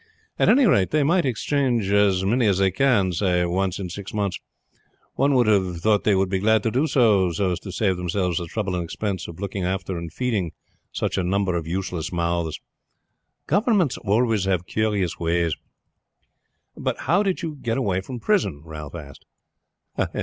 At any rate they might exchange as many as they can, say once in six months. One would have thought they would be glad to do so so as to save themselves the trouble and expense of looking after and feeding such a number of useless mouths. Governments always have curious ways." "But how did you get away from prison?" Ralph asked.